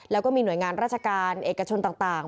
แล้วก็มีหน่วยงานราชการเอกชนต่าง